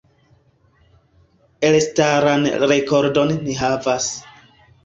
Elstaran rekordon ni havas.